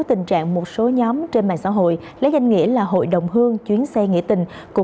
tình trạng một số nhóm trên mạng xã hội lấy danh nghĩa là hội đồng hương chuyến xe nghĩa tình của